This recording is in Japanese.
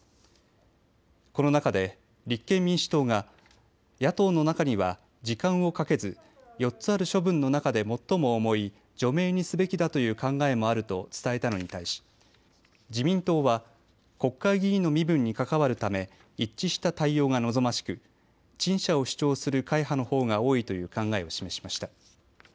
この中で立憲民主党が野党の中には時間をかけず４つある処分の中で最も重い除名にすべきだという考えもあると伝えたのに対し自民党は国会議員の身分に関わるため一致した対応が望ましく陳謝を主張する会派のほうが多いという考えを示しました。